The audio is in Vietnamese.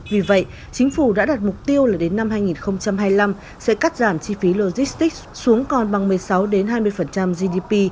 vì vậy chính phủ đã đặt mục tiêu là đến năm hai nghìn hai mươi năm sẽ cắt giảm chi phí logistics xuống còn bằng một mươi sáu hai mươi gdp